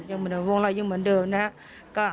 ยังเหมือนวงเรายังเหมือนเดิมนะครับ